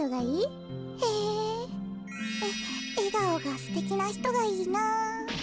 えがおがすてきなひとがいいな。